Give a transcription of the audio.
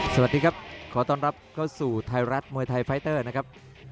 สวัสดีครับขอต้อนรับเข้าสู่ไทยรัฐมวยไทยไฟเตอร์นะครับ